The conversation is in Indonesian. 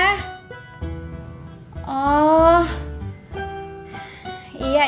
iya baju kebayang warna merah yang ada bordirannya